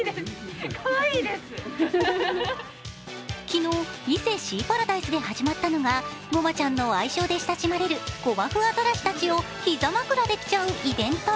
昨日、伊勢シーパラダイスで始まったのが、ゴマちゃんの愛称で親しまれるゴマフアザラシたちを膝枕できちゃうイベント。